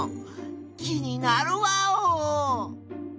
気になるワオ！